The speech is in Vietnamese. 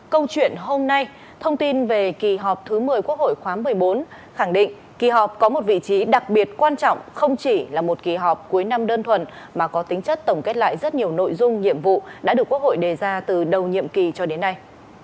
câu chuyện hôm nay thông tin về kỳ họp thứ một mươi quốc hội khóa một mươi bốn khẳng định kỳ họp có một vị trí đặc biệt quan trọng không chỉ là một kỳ họp cuối năm đơn thuần mà có tính chất tổng kết lại rất nhiều nội dung nhiệm vụ đã được quốc hội đề ra từ đầu nhiệm kỳ cho đến nay